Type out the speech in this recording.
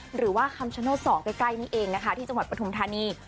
หรือว่าคำชโนธ๒ใกล้นี่เองนะคะที่จังหวัดปฐุมธานี